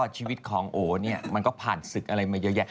ชีวิตของโอเนี่ยมันก็ผ่านศึกอะไรมาเยอะแยะ